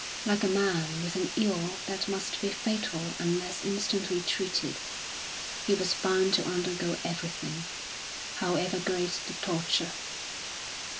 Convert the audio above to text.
Like a man with an ill that must be fatal unless instantly treated, he was bound to undergo everything, however great the torture.